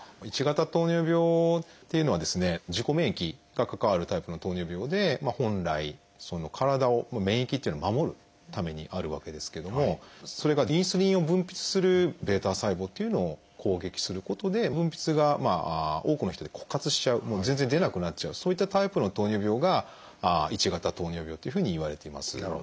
自己免疫が関わるタイプの糖尿病で本来体を免疫っていうのは守るためにあるわけですけどもそれがインスリンを分泌するβ細胞というのを攻撃することで分泌が多くの人で枯渇しちゃう全然出なくなっちゃうそういったタイプの糖尿病が１型糖尿病というふうにいわれています。